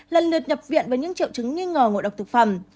lần lượt nhập viện với những triệu chứng nghi ngờ ngộ độc thực phẩm